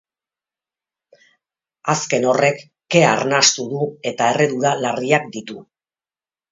Azken horrek, kea arnastu du eta erredura larriak ditu.